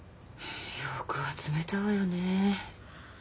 よく集めたわよね。